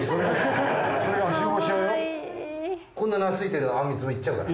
こんな懐いてるあんみつも行っちゃうかな？